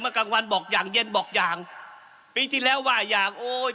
กลางวันบอกอย่างเย็นบอกอย่างปีที่แล้วว่าอย่างโอ้ย